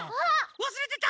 わすれてた！